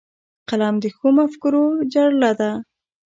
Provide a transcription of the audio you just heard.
قلم د ښو مفکورو جرړه ده